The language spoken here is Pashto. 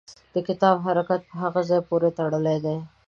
د کتاب حرکت په هغه ځای پورې تړلی دی.